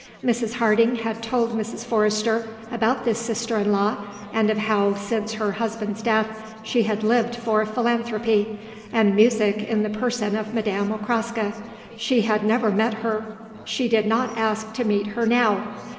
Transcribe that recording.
Miss Harding had told Mrs. Forrester about this sister in law and of how, since her husband's death, she had lived for philanthropy, and music in the person of Madame Okraska. She had never met her. She did not ask to meet her now.